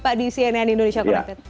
pak di cnn indonesia